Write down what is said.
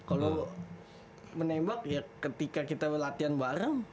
kalau menembak ya ketika kita latihan bareng